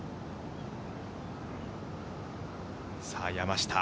さあ、山下。